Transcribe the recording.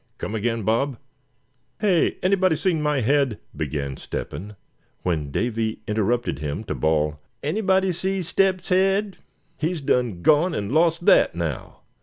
Come again, Bob." "Hey! anybody seen my head " began Step hen; when Davy interrupted him to bawl: "Anybody seen Step's head; he's done gone and lost that, now.